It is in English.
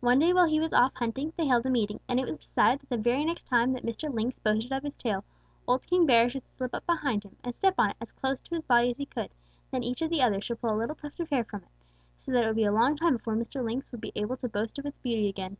One day while he was off hunting, they held a meeting, and it was decided that the very next time that Mr. Lynx boasted of his tail old King Bear should slip up behind him and step on it as close to his body as he could, and then each of the others should pull a little tuft of hair from it, so that it would be a long time before Mr. Lynx would be able to boast of its beauty again.